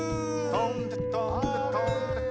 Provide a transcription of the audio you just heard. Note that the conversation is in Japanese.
とんでとんでとんで。